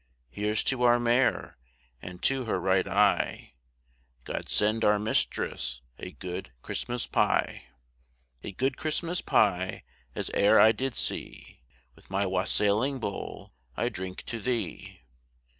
Here's to our mare, and to her right eye, God send our mistress a good Christmas pie; A good Christmas pie as e'er I did see, With my wassailing bowl I drink to thee.